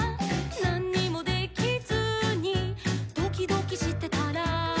「なんにもできずにドキドキしてたら」